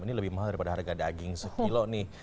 ini lebih mahal daripada harga daging sekilo nih